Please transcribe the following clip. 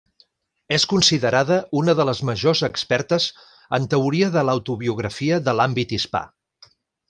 És considerada una de les majors expertes en teoria de l'autobiografia de l'àmbit hispà.